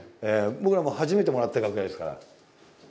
僕らも初めてもらった楽屋ですから。